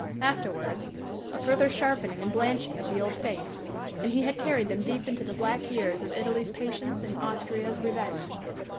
Afterwards a further sharpening and blanching of the old face and he had carried them deep into the black years of Italy's patience and Austria's revenge.